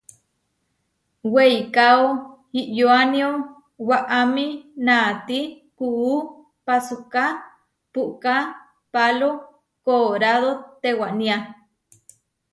Weikáo iʼyoánio waʼámi naatí kuú pasúka puʼká pálo koorádo tewaniá.